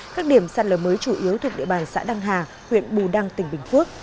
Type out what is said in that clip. các điểm sạt lở mới chủ yếu thuộc địa bàn xã đăng hà huyện bù đăng tỉnh bình phước